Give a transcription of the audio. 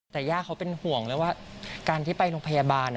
แต่ย่าเขาเป็นห่วงเลยว่าการที่ไปโรงพยาบาล